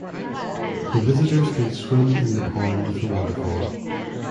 The visitors can swim in the pond of the waterfall.